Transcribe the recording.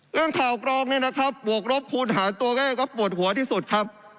เรื่องข่าวกรองบวกรบคูณหารตัวเลขก็ปวดหัวที่สุดครับ